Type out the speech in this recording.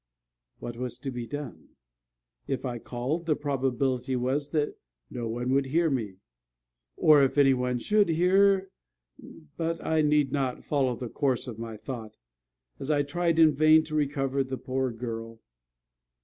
What was to be done? If I called, the probability was that no one would hear me; or if any one should hear but I need not follow the course of my thought, as I tried in vain to recover the poor girl.